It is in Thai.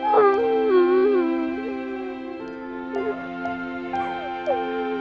แม่